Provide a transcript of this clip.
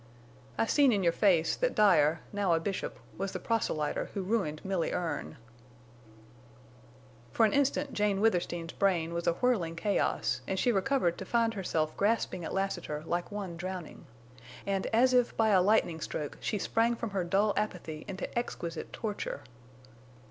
"I seen in your face that Dyer, now a bishop, was the proselyter who ruined Milly Erne!" For an instant Jane Withersteen's brain was a whirling chaos and she recovered to find herself grasping at Lassiter like one drowning. And as if by a lightning stroke she sprang from her dull apathy into exquisite torture.